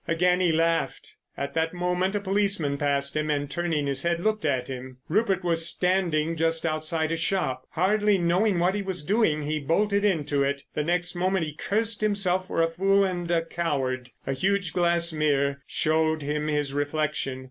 Again he laughed. At that moment a policeman passed him and turning his head looked at him. Rupert was standing just outside a shop. Hardly knowing what he was doing he bolted into it. The next moment he cursed himself for a fool and a coward. A huge glass mirror showed him his reflection.